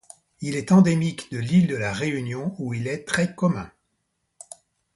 Il est endémique de l'Île de la Réunion où il est très commun.